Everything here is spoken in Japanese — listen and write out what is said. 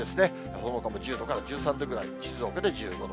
そのほかも１０度から１３度ぐらい、静岡で１５度。